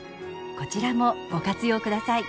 こちらもご活用ください。